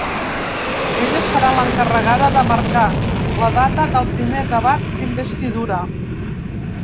Ella serà l’encarregada de marcar la data del primer debat d’investidura.